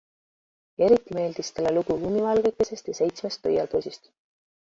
Eriti meeldis talle lugu Lumivalgekesest ja seitsmest pöialpoisist.